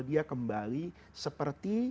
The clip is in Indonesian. dia kembali seperti